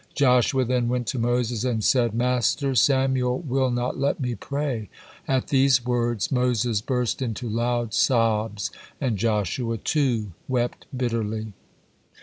'" Joshua then went to Moses and said, "Master, Samael will not let me pray." At these words Moses burst into loud sobs, and Joshua, too, wept bitterly.